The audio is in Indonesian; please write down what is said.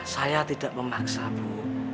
saya tidak memaksa bu